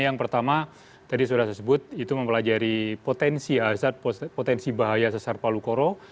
yang pertama tadi sudah saya sebut itu mempelajari potensi bahaya sesar palu koro